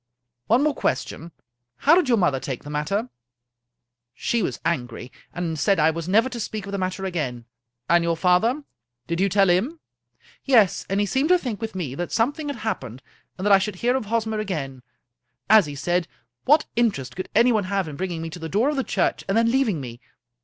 " One more question. How did your mother take the matter?" " She was angry, and said that I was never to speak of the matter again." " And your father ? Did you tell him ?"" Yes, and he seemed to think, with me, that something had happened, and that I should hear of Hosmer again. SO A. Conan Doyle As he said, what interest could anyone have in bringing me to the door of the church, and then leaving me